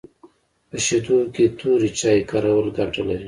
په شیدو کي توري چای کارول ګټه لري